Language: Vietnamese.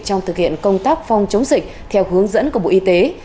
trong thực hiện công tác phòng chống dịch theo hướng dẫn của bộ y tế